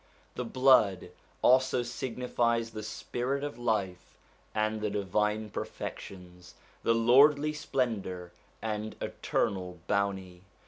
The blood also signifies the spirit of life and the divine perfections, the lordly splendour and eternal bounty.